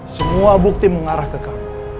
semua bukti mengarah ke kami